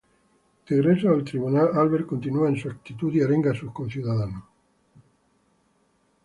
De regreso al tribunal, Albert continúa en su actitud y arenga a sus conciudadanos.